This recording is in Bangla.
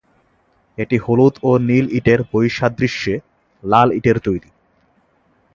এটি হলুদ ও নীল ইটের বৈসাদৃশ্যে লাল ইটের তৈরি।